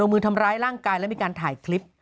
มือทำร้ายร่างกายและมีการถ่ายคลิป